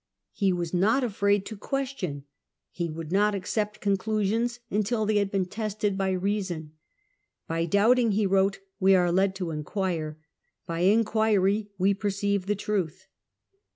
He was not afraid to question : he would not accept con clusions until they had been tested by reason. "By doubting^" he wrote, "we are led to enquire: by enquiry we perceive the truth."